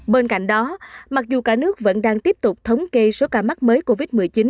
bên cạnh đó mặc dù cả nước vẫn đang tiếp tục thống kê số ca mắc mới covid một mươi chín